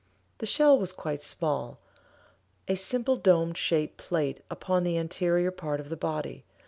The shell was quite small, a simple dome shaped plate upon the anterior part of the body.